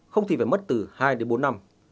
không thì phải mất từ hai đến bốn năm